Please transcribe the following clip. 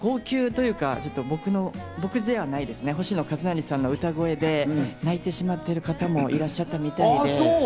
もう星野一成さんの歌声で泣いてしまっている方もいらっしゃったみたいで。